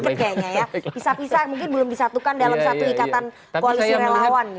bisa bisa mungkin belum disatukan dalam satu ikatan koalisi relawan